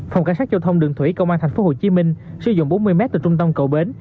phòng cảnh sát giao thông đường thủy công an tp hcm sử dụng bốn mươi m từ trung tâm cậu bến